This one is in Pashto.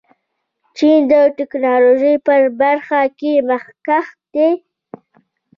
چین د ټیکنالوژۍ په برخه کې مخکښ دی.